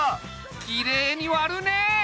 きれいに割るね！